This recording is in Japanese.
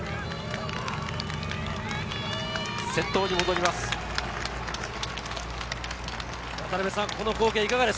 先頭に戻ります。